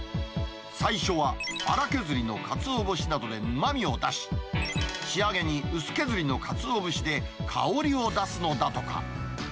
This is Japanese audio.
最初は粗削りのかつお節などでうまみを出し、仕上げに薄削りのかつお節で香りを出すのだとか。